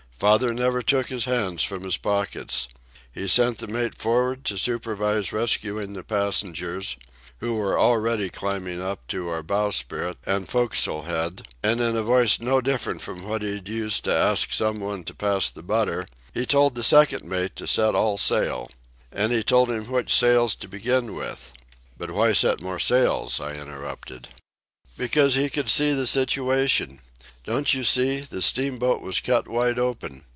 Father never took his hands from his pockets. He sent the mate for'ard to superintend rescuing the passengers, who were already climbing on to our bowsprit and forecastle head, and in a voice no different from what he'd use to ask some one to pass the butter he told the second mate to set all sail. And he told him which sails to begin with." "But why set more sails?" I interrupted. "Because he could see the situation. Don't you see, the steamboat was cut wide open.